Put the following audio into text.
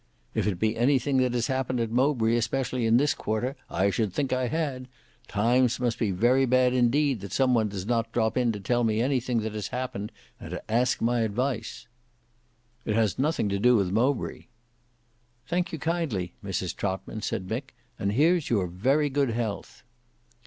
"If it be anything that has happened at Mowbray, especially in this quarter, I should think I had. Times must be very bad indeed that some one does not drop in to tell me anything that has happened and to ask my advice." "It's nothing to do with Mowbray." "Thank you kindly, Mrs Trotman," said Mick, "and here's your very good health."